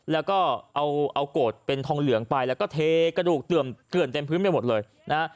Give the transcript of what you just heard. แล้วก็เอาโกรธเป็นทองเหลืองไปแล้วก็เทกระดูกเกื่อนเต็มพื้นไปหมดเลยนะฮะ